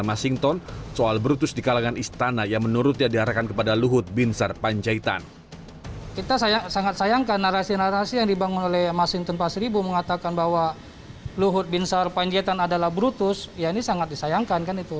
mas sinton pasaribu mengatakan bahwa luhut binsar panjaitan adalah brutus ya ini sangat disayangkan kan itu